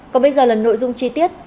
còn bây giờ là nội dung chi tiết